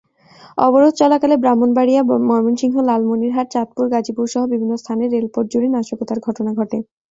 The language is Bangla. অবরোধ চলাকালে ব্রাহ্মণবাড়িয়া, ময়মনসিংহ, লালমনিরহাট, চাঁদপুর, গাজীপুরসহ বিভিন্ন স্থানে রেলপথজুড়ে নাশকতার ঘটনা ঘটে।